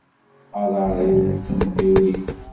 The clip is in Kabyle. Aḍar-iw yettembiwil.